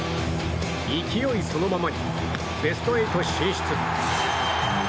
勢いそのままにベスト８進出。